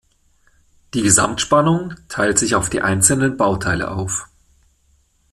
Die Gesamtspannung teilt sich auf die einzelnen Bauteile auf.